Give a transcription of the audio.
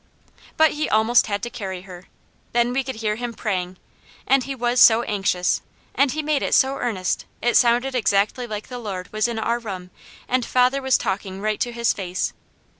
But he almost had to carry her. Then we could hear him praying, and he was so anxious, and he made it so earnest it sounded exactly like the Lord was in our room and father was talking right to His face.